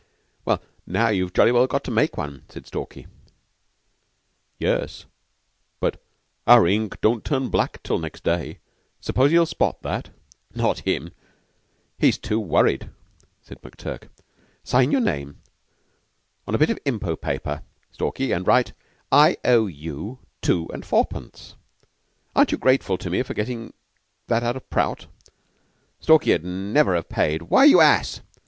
"Now you've jolly well got to make one," said Stalky. "Yes but our ink don't turn black till next day. S'pose he'll spot that?" "Not him. He's too worried," said McTurk. "Sign your name on a bit of impot paper, Stalky, and write, 'I O U two and fourpence.' Aren't you grateful to me for getting that out of Prout? Stalky'd never have paid... Why, you ass!"